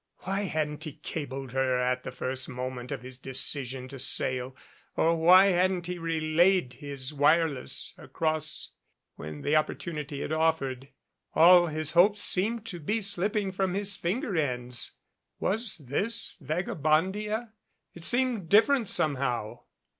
Why hadn't he cabled her at the first moment of his de cision to sail or why hadn't he relayed his wireless across when opportunity had offered? All his hopes seemed to be slipping from his finger ends. Was this Vagabondia? It seemed different somehow.